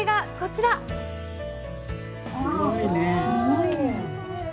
すごいね。